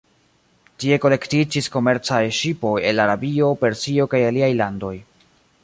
Tie kolektiĝis komercaj ŝipoj el Arabio, Persio kaj aliaj landoj.